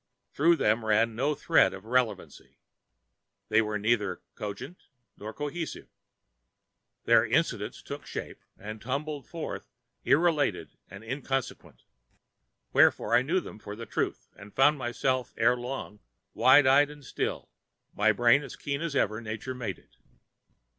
Through them ran no thread of relevancy. They were neither cogent nor cohesive. Their incidents took shape and tumbled forth irrelated and inconsequent. Wherefore I knew them for the truth, and found myself ere long wide eyed and still, my brain as keen as ever nature made it.